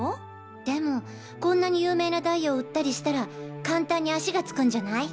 でもこんなに有名なダイヤを売ったりしたら簡単に足がつくんじゃない？